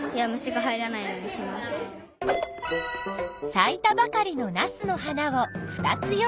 さいたばかりのナスの花を２つ用意。